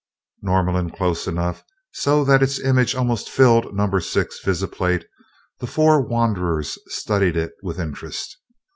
Norlamin close enough so that its image almost filled number six visiplate, the four wanderers studied it with interest.